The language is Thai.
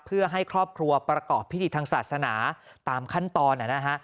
เพื่อให้ครอบครัวประกอบพิธีทางศาสนาตามขั้นตอนนะฮะ